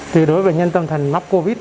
tuy đối với bệnh nhân tâm thần mắc covid